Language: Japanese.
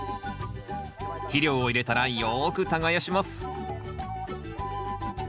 肥料を入れたらよく耕します